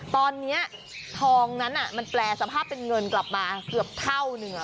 ตอนนี้ทองนั้นมันแปลสภาพเป็นเงินกลับมาเกือบเท่านึง